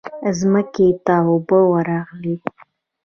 ځمکې ته اوبه ورغلې.